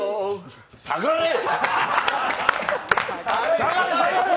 下がれー！